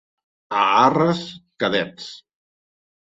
A Arres, cadets.